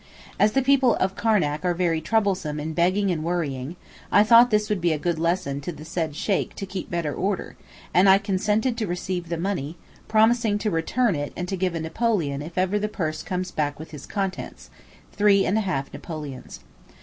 As the people of Karnac are very troublesome in begging and worrying, I thought this would be a good lesson to the said Sheykh to keep better order, and I consented to receive the money, promising to return it and to give a napoleon over if the purse comes back with its contents (3½ napoleons).